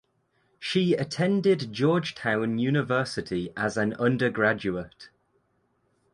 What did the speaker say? She attended Georgetown University as an undergraduate.